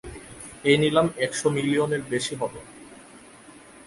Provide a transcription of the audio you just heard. এই নিলাম একশ মিলিয়নের বেশি হবে।